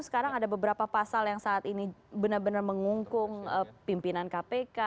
sekarang ada beberapa pasal yang saat ini benar benar mengungkung pimpinan kpk